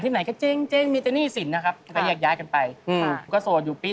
ไหนดีกว่ากันนี่